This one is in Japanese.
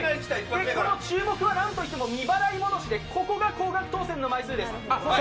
この注目は何と言っても「未払戻」でここが高額当選の表示です。